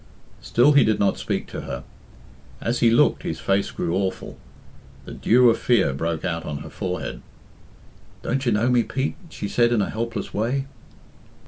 Still he did not speak to her. As he looked, his face grew awful. The dew of fear broke out on her forehead. "Don't you know me, Pete?" she said in a helpless way.